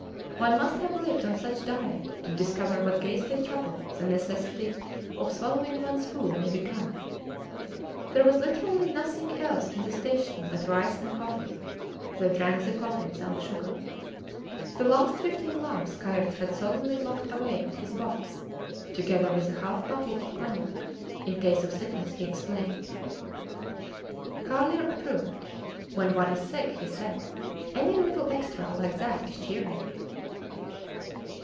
One must have lived on such diet to discover what ghastly trouble the necessity of swallowing ones food may become. There was literally nothing else in the station but rice and coffee; they drank the coffee without sugar. The last fifteen lumps Kayerts had solemnly locked away in his box, together with a half bottle of Cognac, in case of sickness, he explained. Carlier approved. When one is sick, he said, any little extra like that is cheering.